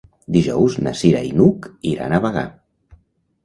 Dijous na Cira i n'Hug iran a Bagà.